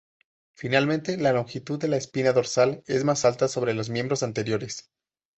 Finalmente, la longitud de la espina dorsal es más alta sobre los miembros anteriores.